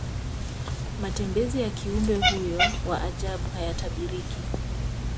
matembezi ya kiumbe huyo wa ajabu hayatabiriki